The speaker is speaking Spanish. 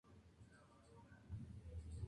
Hay dos versiones de como surgió la idea del sketch.